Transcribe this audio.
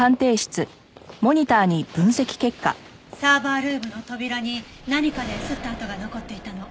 サーバールームの扉に何かで擦った跡が残っていたの。